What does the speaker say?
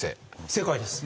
正解です。